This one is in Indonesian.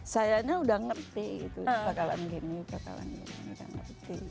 sayangnya udah ngerti gitu kekalan gini kekalan gini